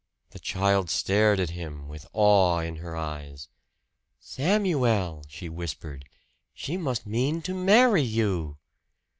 The child stared at him, with awe in her eyes. "Samuel!" she whispered, "she must mean to marry you!"